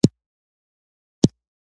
کثافت د کتلې او حجم نسبت دی.